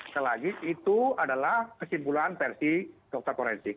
sekali lagi itu adalah kesimpulan versi dokter forensik